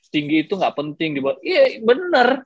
tinggi itu gak penting iya bener